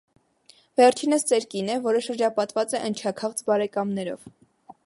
Վերջինս ծեր կին է, որը շրջապատված է ընչաքաղց բարեկամներով։